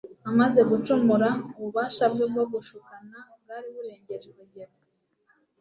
Amaze gucumura, ububasha bwe bwo gushukana bwari burengeje urugero,